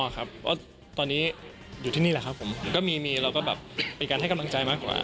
เพราะตอนนี้อยู่ที่นี่แหละครับผมก็มีเราก็แบบเป็นการให้กำลังใจมากกว่า